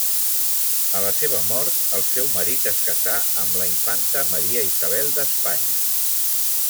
A la seva mort, el seu marit es casà amb la infanta Maria Isabel d'Espanya.